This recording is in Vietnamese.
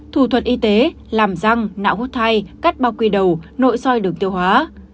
thủ thuật y tế làm răng nạo hút thai cắt bao quy đầu nội soi đường tiêu hóa